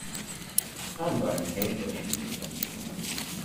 I’m buying paintbrushes.